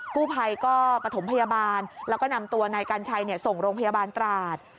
กู้ภัยก็ประถมพยาบาลแล้วก็นำตัวนายกัญชัยส่งโรงพยาบาลตราด